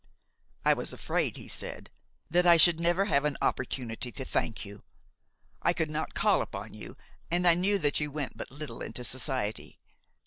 "I was afraid," he said, "that I should never have an opportunity to thank you. I could not call upon you and I knew that you went but little into society.